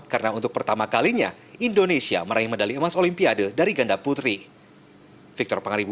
karena untuk pertama kalinya indonesia meraih medali emas olimpiade dari ganda putri